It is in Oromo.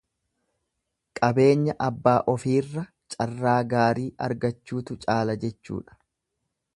Qabeenya abbaa ofiirra carraa gaarii argachuutu caala jechuudha.